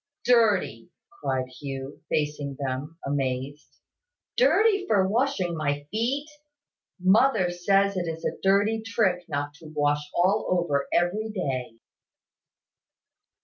"Dirty!" cried Hugh, facing them, amazed, "Dirty for washing my feet! Mother says it is a dirty trick not to wash all over every day."